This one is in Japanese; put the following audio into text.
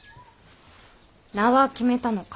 名は決めたのか。